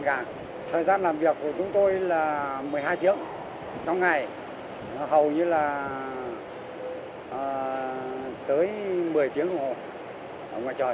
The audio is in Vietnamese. gà thời gian làm việc của chúng tôi là một mươi hai tiếng trong ngày hầu như là tới một mươi tiếng ngủ ở ngoài trời